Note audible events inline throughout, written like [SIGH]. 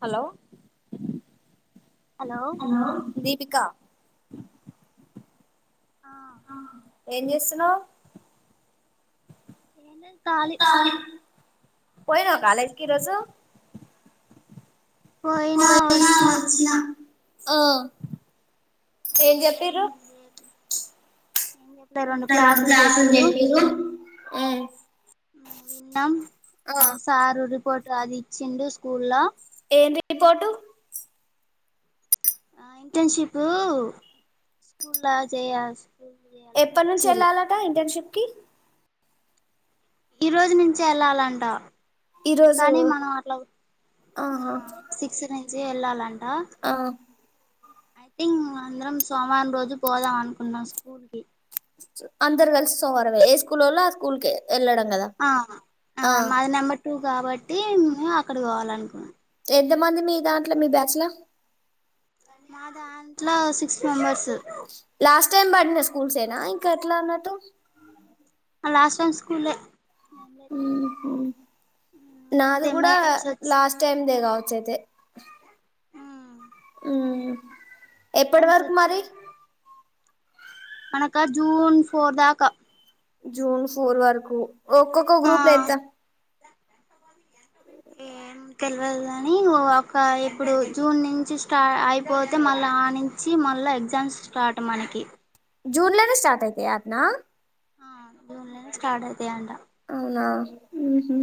Hello hello Deepika [INAUDIBLE] ఆ ఏం చేస్తున్నావ్ ఏం లేదు కాలి పోయినవ కాలేజ్ కి ఈరోజు పోయినా వచ్చిన ఓ ఏం లేదు చెప్పిరు ఏం చేయట్లే ఏం చెప్పలే రెండు ఆ క్లాసులు చెప్పిరు ఊ విన్నాం ఆ సారు రిపోర్ట్ రాసిచ్చిండు స్కూల్ ల ఏం రిపోటు ఆ ఇంటర్న్షిప్ స్కూల్లా చేయాల్సిం ఎప్పట్నుంచి ఎళ్ళాలట ఇంటర్న్షిప్ కి ఈ రోజు నుంచే ఎళ్ళాలంట ఈరోజు కానీ మనం అట్ల ఆ ఆహా సిక్స్ నుంచి ఎళ్ళాల ఆ ఐథింగ్ అందరం సోమవారం రోజు పోదాం అనుకున్నాం స్కూల్ కి అందరు కలిసి సోమవావరమే ఏ స్కూలోళ్ళు ఆ స్కూల్కే ఆ మాది నెంబర్ టూ కాబట్టి మేం అక్కడ పోవాల అనుకున్నా ఎంత మంది మీ దాంట్లో మీ బ్యాచ్ ల మా దాంట్ల సిక్స్ మెంబర్స్ లాస్ట్ టైమ్ పడినా స్కూల్స్ ఏనా ఇంకా ఎట్లా అన్నట్టు లాస్ట్ టైమ్ స్కూలే ఉ నాది అంతే కూడా మేడమ్స్ వచ్చి లాస్ట్ టైమ్ దే కావచ్చు అయితే ఊ అదే ఎప్పటి వరకు మరి మనకా జూన్ ఫోర్ దాకా జూన్ ఫోర్ వరకు ఒక్కొక్క ఆ గ్రూప్లో ఎంత తెల్వదు గాని ఒక ఇప్పుడు జూన్ నుంచి స్టార్ అయిపోతే మళ్ళీ ఆ నుంచి మళ్ళ ఎగ్జాంస్ స్టాట్ మనకి జూన్ లోనే స్టార్ట్ అయితాయ్ అట్నా ఆ జూన్ లోనే స్టార్ట్ అయితాయంట అవునా ఊహు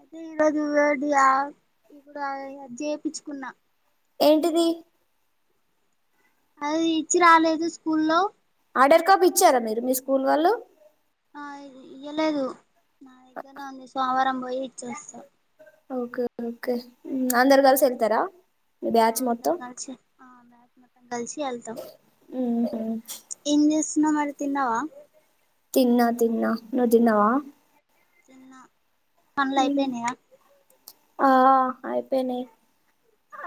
అదే ఈరోజు ఇది ఆ ఇప్పుడు అది చేపిచ్చుకున్నా ఏంటిది అది ఇచ్చి రాలేదు స్కూల్లో ఆర్డర్ కాపీ ఇచ్చారా మీరు మీ స్కూల్ వాళ్ళు ఆ ఇది ఇయ్యలేదు నా దగ్గరనే ఉంది సోమవారం పోయి ఇచోస్తా ఓకే ఓకే అందరు కలిసి ఎల్తార ఆ అందరం కలిసి ఆ బ్యాచ్ మొత్తం కలిసి వెళ్తాం ఊ ఇంగా మరి తిన్నావా తిన్నా తిన్నా నువ్వు తిన్నావా తిన్నా పన్లు అయిపోయినయా ఆ అయిపోయినయి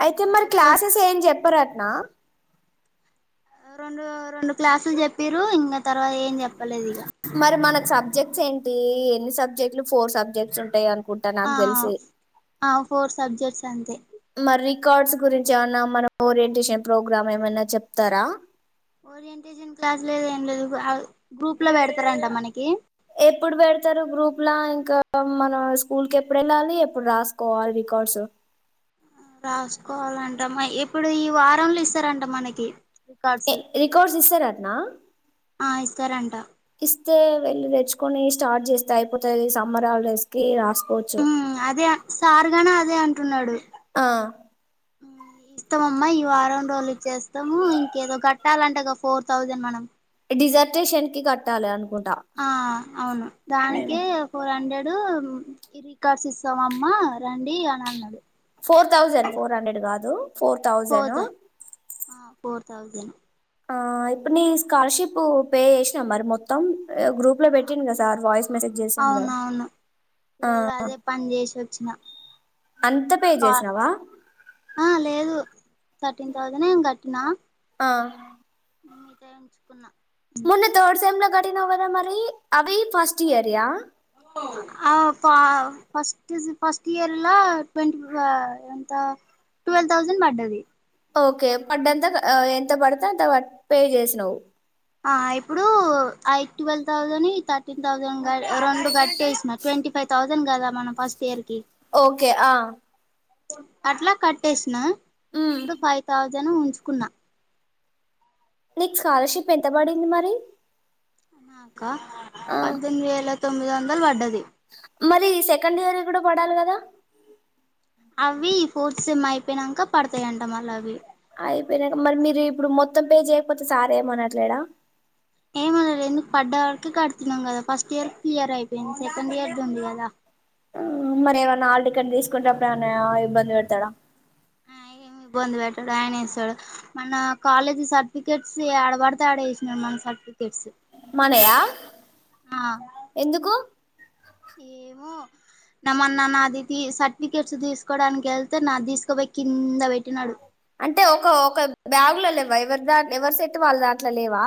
అయితే మరి రేపు క్లాసెస్ ఏం చెప్పరు అట్నా రెండు రెండు క్లాసులు చెప్పీరు ఇంగ తర్వాత ఏం చెప్పలేదు ఇగా మరి మనకు సబ్జెక్ట్స్ ఏంటీ ఎన్ని సబ్జెక్ట్లు ఫోర్ సబ్జెక్ట్స్ ఉంటాయి అన ఆఆ ఫోర్ సబ్జెక్ట్స్ అంతే కార్డ్స్ గురించి ఏమన్నా మన ఓరియంటేషన్ ప్రోగ్రామ్ ఏమన్నా చెప్తారా ఓరియంటేషన్ క్లాస్ లేదు ఏం లేదు అద్ గ్రూప్ లో పెడతారంట మనకి ఇలా ఇంకా మన స్కూల్ కి ఎప్పుడు వెళ్ళాలి ఎప్పుడు రాసుకోవాలి రికార్డ్స్ రాసుకోవాలంట ఎప్పుడు ఈ వారంలో ఇస్తారంట మనకి రికార్డ్స్ ఏ రికార్డ్స్ ఇస్తారత్నా ఆ ఇస్తారంట స్తే వెళ్ళి తెచ్చుకొని స్టార్ట్ చేస్తే అయిపోతుది ఈ సమ్మర్ ఆే అదే సార్గానే అదే అంటున్నాడు ఆ ఇస్తామమ్మా ఈ వారం రోజులు ఇచ్చేస్తాము ఇంకేదో కట్టాలంటే ఒక ఫోర్ థౌసండ్ మనం డిజర్టేషన్ కి సేమ్ కి కట్టాలి అనుకుంట ఆ అవును దానికి ఫోర్ హండ్రెడ్ రికార్స్ ఇస్తాం అమ్మ రండి అని అన్నాడు ఫోర్ థౌజండ్ ఫోర్ హండ్రెడ్ కాదు ఫోర్ థౌజండ్ పోత ఫోర్ థౌజండ్ ఇప్పుడు నీ స్కాలర్షిప్ పే చేసినా మరి మొత్తం గ్రూప్ లో పెట్టిండు కదా సార్ వాయిస్ మెసేజ్ చేసిడు కదా అవునవును ఆ ఈరోజు అదే పని చేసి వచ్చిన అంత పే చేసినావా ఆ లేదు థర్టీన్ తౌసండే ఏం కట్నా ఆ మిగతా ఉంచుకున్నా మన్న తర్డ్ సెమ్ లో కటినవ్ కదా మరి అవి first year yeah first first ఇయర్లా ట్వంటి ఎంత ట్వెల్వ్ థౌజండ్ పడ్డది ఓకే పడ్డంతా ఎంత పడితే అంత పే చేసినవు ఆ ఇప్పుడు ఐ ట్వెల్వ్ థౌసండ్ థర్టీన్ థౌసండ్ రెండు కట్టేసిన ట్వంటీ ఫైవ్ థౌసండ్ కదా మనం ఫస్ట్ ఇయర్ కి ఓకే ఆ అట్లా కట్టేసిన ఉమ్ ఇప్పుడు ఫైవ్ థౌజండ్ ఉంచుకున్నా నీకు స్కాలర్షిప్ ఎంత పడింది మరి అనాక ఆ పద్దెనిమిది వేల తొమ్మిది వందలు పడ్డది మరి సెకండ్ ఇయర్ కూడా పడాలి కదా అవి ఈ ఫోర్త్ సిమ్ అయిపోయినాక పడతాయింట మళ్ళ అవి అయిపోయినాక మరి మీరు ఇప్పుడు మొత్తం పే చేయకపోతే సార్ ఏమనట్లేడా ఏమనలేదు ఎందుకు పడ్డ వాళ్కి కడుతున్నాం కదా ఫస్ట్ ఇయర్ క్లియర్ అయిపోయింది సెకండ్ ఇయర్ ద ఉంది కదా మరి ఏమైన్నా ఆళ్ కెన్ తీసుకుంటే అప్పుడు ఏమైనా ఇబ్బంది పెడతాడా ఇబ్బంది పెట్టాడు ఆయన వస్తాడు మన కాలేజీ సర్టిఫికెట్స్ ఆడబడితే ఆడసినాడు మన సెట్స్ ఎందుకు ఏమో నామన్న నాది సర్టిఫికేట్స్ తీసుకోవడానికి వెళ్తే నా తీసుకుపోయి కింద పెట్టినాడు అంటే ఒక ఒక బ్యాగు్ లో లేవా ఎవరి దా ఎవరి సెట్టు వాళ్ళ దాంట్లో లేవా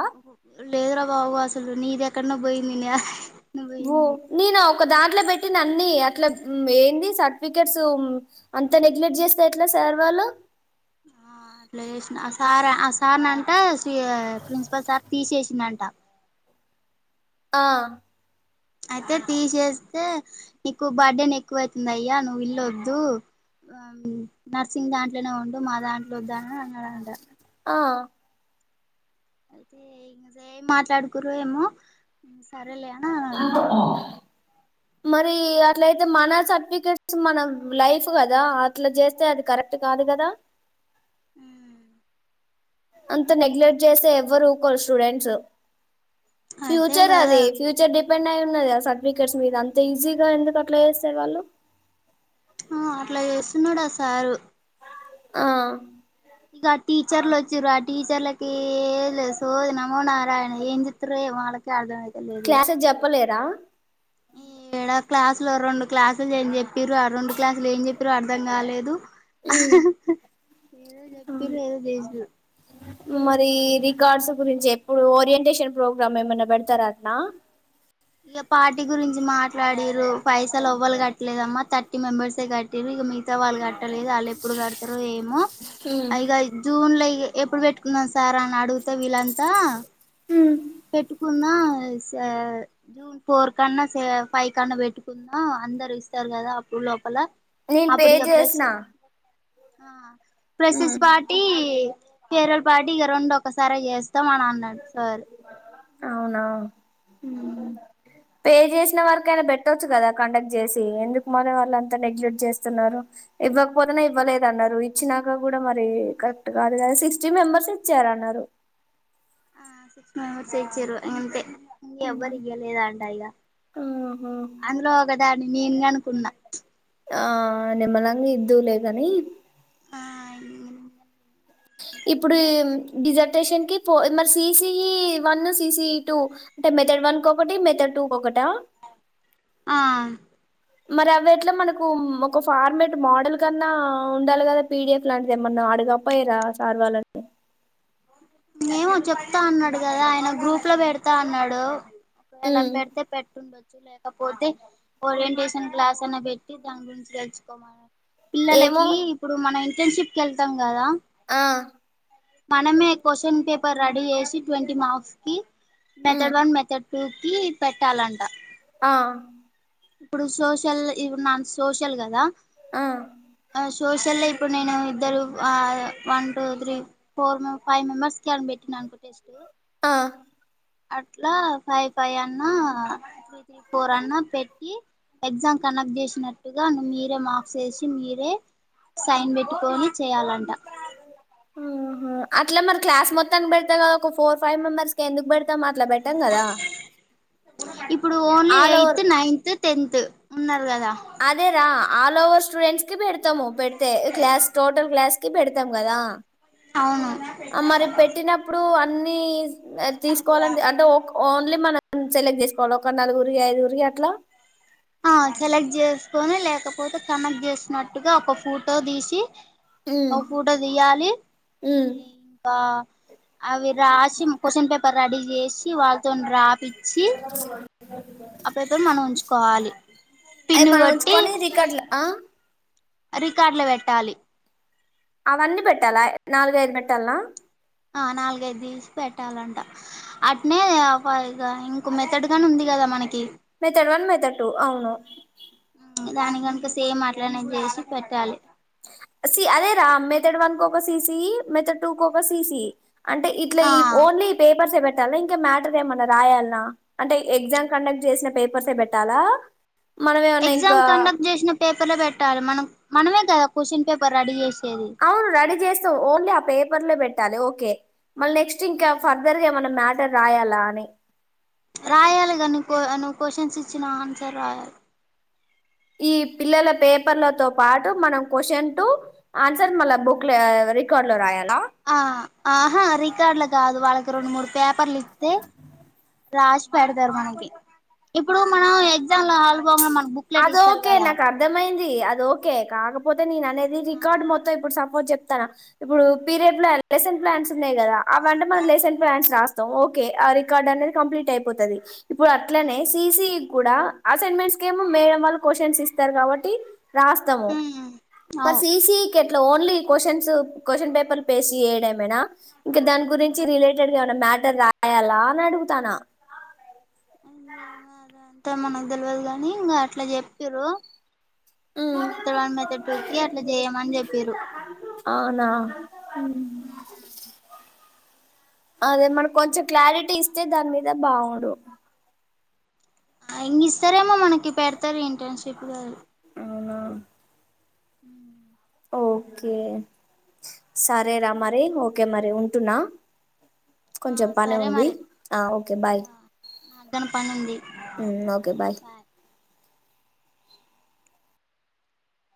లేదురా బాబు అసలు నీ ఇది ఎక్కడన పోయింది ఓ పోయింది నెనా ఒక దాంట్లో పెట్ అే అన్న అట్లా ఏంది సర్టిఫికెట్స్ అంత నెగ్లెక్ట్ చేస్తా ఎట్లా సార్ వాళ్ళు ఆ అట్లేచేసిన అసార్ అ శీ ప్రిన్సిపల్ సార్ తీసేసిందంట అ అయితే టీ చేస్తే నీకు బర్త్డే ఎక్కువ అవుతుంది అయ్యా నువ్వు ఇల్లొద్దు ఆ నర్సింగ్ దాంట్లోనే ఉండు మా దాంట్లో వద్దా అని అన్నాదంట ఆ అయితే ఇంక మాట్లాడుకురు ఏమో సరేలే అన్నాడు. మరి అట్లయితే మన సర్టిఫికెట్స్ మన లైఫ్ కదా అట్లా చేస్తే అది కరెక్ట్ కరెక్ట్ కాదు కదా హ్మ్ అంత నెగ్లెక్ట్ చేసే ఎవ్వరు స్టూడెంట్స్ అదే ఫ్యూచర్ కదా అది ఫ్యూచర్ డే డిపెండ్ అయి ఉన్నది ఆ సర్టిఫికెట్స్ మీద అంత ఈజీగా ఎందుకు అట్లా చేస్తారు వాళ్ళు ఆ అట్లా చేస్తున్నాడు ఆ సారు ఆ ఇక ఆ టీచర్లు వచ్చిరు ఆ టీచర్ల ఏం లేదు సోది నమోనారాయణ ఏంచెప్తరో ఏమో వాళ్ళకే అర్ధం అయి క్లాసెస్ చెప్పలేరా ఈ ఏడా క్లాసులు రెండు క్లాసులు నేను చెప్ చెప్పిరు ఆ రెండు క్లాసులు ఏం చెప్పిరో అర్థం కాలేదు ఏదో చెప్పిరు ఏదో చేసిరు మరి రికార్డ్స్ గురించి ఎప్పుడు ఓరియంటేషన్ ప్రోగ్రామ్ ఏమైనా పెడతారా అటనా ఇక పార్టీ గురించి మాట్లాడిరు పైసలు ఎవ్వలు కట్టలేదమ్మా త థర్టీ మంబర్స్ కట్టిరు ఇంక మీ మిగతా వాళ్ళు కట్టలేదు ఆళ్ళు ఎప్పుడు కడతారు ఏమో ఇక జూన్ లో ఎప్పుడు పెట్టుకున్నాం సార్ అని అడుగుతే వీళ్ళంతా హ్మ్ అన్నా సా జూన్ ఫోర్ కన్నా ఫైవ్ కన్నా పెట్టుకుందాం అ దరు ఇస్తారు కదా అప్పుడు లోపల నేను పే అప్పుడియప్పుడే చేసిన స ఆ ఫ్రెషర్స్ పార్టీ ఫేర్వల్ పార్టీ ఇక రెండు ఒకసారే చేస్తాం అని అన్నాడు సార్ అవునా హ్మ్ పే చేసిన వరకైనా పెట్టొచ్చు కదా కండక్ట్ చేసి ఎందుకు మరి వాళ్ళు అంతా నెగ్లెక్ట్ చేస్తున్నారు ఇవ్వకపోతేనా ఇవ్వలేద అన్నారు ఇచ్చినాక కూడా మరి కరెక్ట్ కాదు కద సిక్స్టీ మెంబర్స్ ఇచ్చారన్నారు ఆ సిక్స్ మెంబర్స్ యిచ్చరు అంతే ఎవ్వరు ఇవ్వలేద్ అంట ఇగ ఆహా అందులో ఒక డా నేన్ గానీ కొన్నా ఆ నిమ్మలంగా ఇద్దులే గానీ ఆ [UNINTELLIGIBLE] ఇప్పుడిమ్ డిజర్ట్ పేషేన్ట్ మరి ససిఈ వన్ సిసిఈ టూ అంటే మెథడ్ వన్ క ఒకటి మెథడ్ టూ కొకట ఆ మరి అవి ఎట్లా మనకు ఒక ఫార్మేట్ మోడల్ కన్నా ఉండాలి కదా పీడిఎఫ్ లాంటిది ఏమన్నా ఆడకపోయరా సార్ వాళ్ళని ఏమో చెప్తా అన్నాడు కదా ఆయన గ్రూప్ లో పెడతా అన్నాడు ఒకవేళ ఉమ్ పెడితే పెట్టుండొచ్చు లేకపోతే ఓరియంటేషన్ క్లాస్ అని పెట్టి దాని గురించి తెలుచుకోమను ఏమో పిల్లలకి ఇప్పుడు మనం ఇంటర్న్షిప్ కి వెళ్తాం కదా ఆ మనమే క్వశ్చన్ పేపర్ రెడీ చేసి ట్వంటీ మార్క్స్ కి ఉమ్ మెథడ్ వన్ మెథడ్ టూకి పెట్టాలంట ఆ ఇప్పుడు సోషల్ ఇప్పుడు నా సోషల్ కదా ఆ సోషల్ల్లో ఇప్పుడు నేను ఇద్దరు ఆ one two three four five మెంబర్స్కి అని పెట్టినా ఇంకో టెస్టు ఆ అట్లా ఫైవ్ ఫైవ్ అన్నా, త్రీ ఫోర్ అన్నా పెట్ ఈ ఎగ్జామ్ కండక్ట్ చేసినట్టుగా ను మీరే మార్క్స్ వేసి మీరే సైన్ పెట్టుకొని చేయాలంట ఉహు అట్ల మరి క్లాస్ మొత్తానికి పెడతే కదా, ఒక ఫోర్ ఫైవ్ మెంబర్స్కే ఎందుకు పెడతాం? అట్లా పెట్టాం కదా ఇప్పుడు only all over eighth, ninth, tenth ఉన్నరు. అదేరా ఆల్ ఓవర్ స్టూడెంట్స్ కి పెడతము పెడితే, క్లాస్ టోటల్ క్లాస్ కి పెడతాం కదా అవును మరి పెట్టినప్పుడు అన్ని తీసుకోవాలని అంటే ఓక్ ఓన్లీ మన మ సెలెక్ట్ చేసుకోవాల, ఒక నాలుగురి ఐదుగురి అట్లా ఆ సెలెక్ట్ చేసుకొని లేకపోతే కనెక్ట్ చేసినట్టుగా ఒక ఫోటో తీసి ఒక పూట తియ్యాలి, మళ్ళీ ఇంకా అవి రాసి క్వశ్చన్ పేపర్ రెడీ చేసి వాళ్ళతోని రాపిచ్చి ఆ పేపర్ మనం ఉంచుకోవాలి. అయి పిన్ను మనం ఉంచుకొని రికర్డు ఆ రికార్డుల పెట్టాలి. అవన్నీ పెట్టాలా, నాలుగైదు పెట్టాల్నా? ఆ నాలుగైదు తీసి పెట్టాలంట, అట్నే ఇ ఇంకో మెతడ్ గని ఉంది. గదా మనకి మెథడ్ వన్, మెథడ్ టు అవును. దాని కనుక సేమట్లనే చేసి పెట్టాలి. సి అదేరా, మెథడ్ వన్ కోక సీసి, మెథడ్ టూ కోక సీసి అంటే ఇట్లా ఆ ఈ ఓన్లీ పేపర్సే పెట్ పెట్టాలా ఇంకా మ్యాటర్ ఏమన్నా రాయాల్నా? అంటే ఎగ్జామ్ కండక్ట్ చేసిన పేపర్సే పెట్టాలా? మనం ఏమన్నా ఎగ్జామ్ ఇంకా కండక్ట్ చేసిన పేపర్ లో పెట్టాలి మనం, మనమే కదా క్వశ్చన్ పేపర్ రెడీ చేసి అవును రెడీ చేస్తవ్ ఓన్లీ ఆ పేపర్లో పెట్టాలి ఓకే. మళ్ళ నెక్స్ట్ ఇంకా ఫర్దర్గా ఏమన్నా మ్యాటర్ రాయాలా అని. రాయాలిగా నువు నువ్వు క్వశ్చన్స్ ఇచ్చిన ఆన్సర్ రాయాలి. ఈ పిల్లల పేపర్లతో పాటు మనం క్వశ్చన్ టు ఆన్సర్ మళ్ళ బుక్ ల రికార్డులో రాయాలి ఆ ఆహా రికార్డుల కాదు, వాళ్ళకి రెండు మూడు పేపర్లు ఇత్తే రాసి పెడతరు మనకి, ఇప్పుడు మనం ఎగ్జామ్ లో హల్ అదోకే నాకు అర్థమయింది, అదోకే కాకపోతే నేననేది రికార్డు మొత్తం ఇప్పుడు సప్ మోజ్ చెప్తనా? ఇప్పుడు పీరియడ్ ప్లాన్ లెసన్ ప్లాన్స్ ఉన్నయి కదా అవంటే మనం లేసెన్ ప్లాన్స్ రాస్తాం ఓకే, ఆ రికార్డ్ అన్నది కంప్లీట్ అయిపోతది. ఇప్పుడు అట్లనే ససి కూడా అసైన్మెంట్స్ కేమో మేడం వాళ్ళు క్యూస్షన్స్ ఇస్తరు కాబట్టి రాస్తము ఒక అవు సిసీ కెట్లా ఓన్లీ క్వశ్చన్స్, క్వశ్చన్ పేపర్లు పేస్ట్ చేయడమేనా, ఇంకా దాని గురించి రిలేటెడ్ గా ఏమన్నా మ్యాటర్ రాయాలనడుగుతాన్న ఏమో అదంతా మనకు తెలియదు కానీ ఇంగ అట్ల చెప్పిర్రు. మెథడ్ వన్ మెథడ్ టూ కి అట్లా చేయమని చెప్పిర్రు. అవునా ఉమ్ అదే మనం కొంచెం క్లారిటీ ఇస్తే దాని మీద బాగుండు ఇంగిస్తరేమో మనకి పెడతరు ఇంటర్న్షిప్ గా అవునా ఉమ్ ఓకే సరేరా మరి, ఓకే మరి ఉంటున్నా ఆ కొంచం పని సరే ఉంది, ఆ ఓకే బాయ్ నాగని పని ఉంది ఊ ఓకే బాయ్